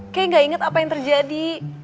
kayaknya gak inget apa yang terjadi